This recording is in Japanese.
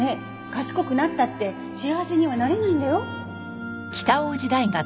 賢くなったって幸せにはなれないんだよ。